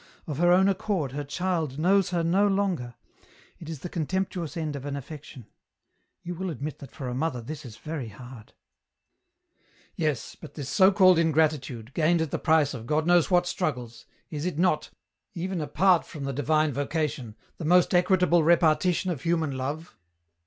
Of her own accord her child knows her no longer, it is the contemptuous end of an affection. You will admit that for a mother this is very hard." " Yes, but this so called ingratitude, gained at the price of God knows what struggles, is it not, even apart from the divine vocation, the most equitable repartition of human love